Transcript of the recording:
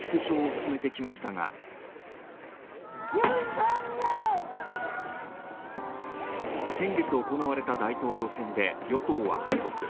任期中、検察の権限縮小を進めてきましたが先月行われた大統領選で与党は敗北。